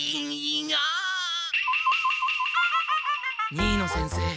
新野先生